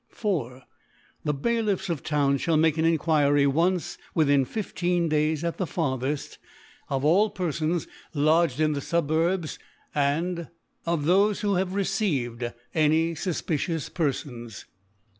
4. The Bailiffs of Towns (hall make Enquiry once within 1 5 Days at the fartheft, of all Perfons lodged in the Suburbs, i^c. and of rhofe who have received any fufpicious Perfons.